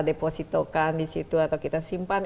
depositokan di situ atau kita simpan